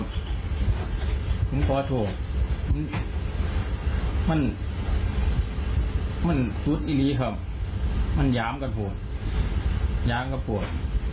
มันสุดอีนี้ครับมันย้ำก็โถดย้ำก็โผล่